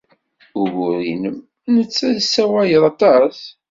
Ugur-nnem netta tessawaleḍ aṭas.